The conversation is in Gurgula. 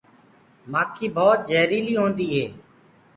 مآکي ڀوت جهريلي هوندي هي۔